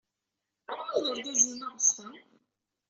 Anwa ay d argaz-inna aɣezfan?